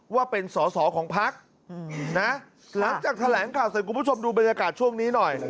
ว่าเป็นสอสอของพักนะหลังจากแถลงข่าวเสร็จคุณผู้ชมดูบรรยากาศช่วงนี้หน่อย